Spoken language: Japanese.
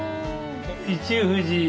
一富士